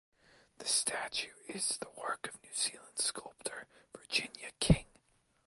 The statue is the work of New Zealand sculptor Virginia King.